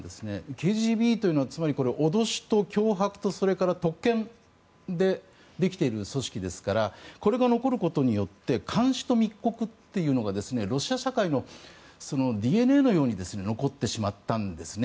ＫＧＢというのは脅しと脅迫と特権でできている組織ですからこれが残ることによって監視と密告というのがロシア社会のＤＮＡのように残ってしまったんですね。